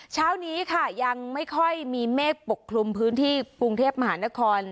เช้านี้ค่ะยังไม่ค่อยมีเมฆปกคลุมพื้นที่กรุงเทพมหานคร